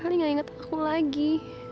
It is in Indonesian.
sama sekali gak inget aku lagi